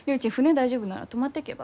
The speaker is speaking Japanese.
大丈夫なら泊まってけば？